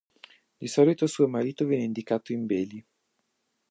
Di solito suo marito viene indicato in Beli.